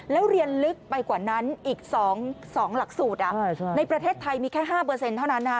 แล้วเรียนลึกไปกว่านั้นอีก๒หลักสูตรในประเทศไทยมีแค่๕เท่านั้นนะคะ